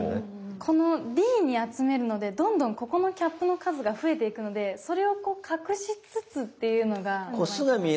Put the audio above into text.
このＤに集めるのでどんどんここのキャップの数が増えていくのでそれをこう隠しつつっていうのが。